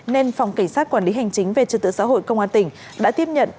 nên phòng cảnh sát quản lý hành chính về trật tự xã hội công an tỉnh đã tiếp nhận